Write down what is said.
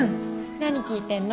何聴いてんの？